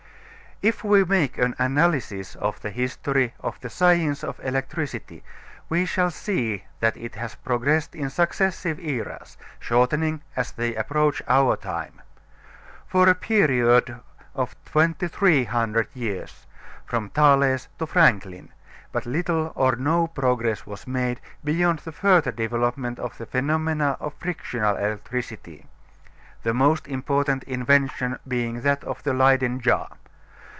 If we make an analysis of the history of the science of electricity we shall see that it has progressed in successive eras, shortening as they approach our time. For a period of 2300 years, from Thales to Franklin, but little or no progress was made beyond the further development of the phenomena of frictional electricity the most important invention being that of the Leyden jar.